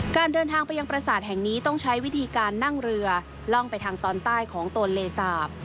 เดินทางไปยังประสาทแห่งนี้ต้องใช้วิธีการนั่งเรือล่องไปทางตอนใต้ของโตนเลสาป